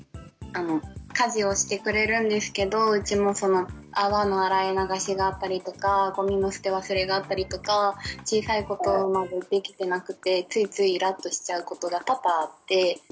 家事をしてくれるんですけどうちもその泡の洗い流しがあったりとかごみの捨て忘れがあったりとか小さいことまでできてなくてついついイラッとしちゃうことが多々あって。